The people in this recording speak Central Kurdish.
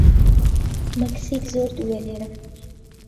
مەکسیک زۆر دوورە لێرە.